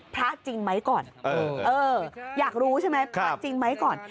พระจริงไหมก่อนอยากรู้ใช่ไหมพระจริงไหมก่อน